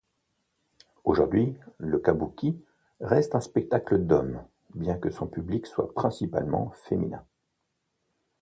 Aujourd'hui, le kabuki reste un spectacle d'homme, bien que son public soit principalement féminin.